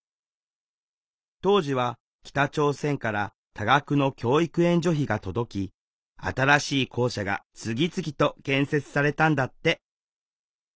当時は北朝鮮から多額の教育援助費が届き新しい校舎が次々と建設されたんだって。